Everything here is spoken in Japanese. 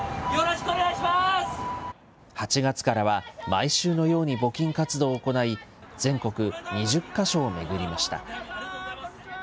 毎週のように募金活動を行い、全国２０か所を巡りました。